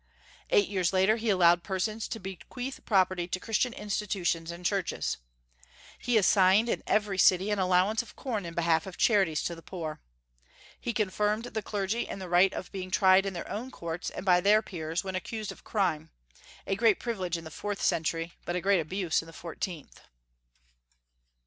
Eight years later he allowed persons to bequeath property to Christian institutions and churches. He assigned in every city an allowance of corn in behalf of charities to the poor. He confirmed the clergy in the right of being tried in their own courts and by their peers, when accused of crime, a great privilege in the fourth century, but a great abuse in the fourteenth.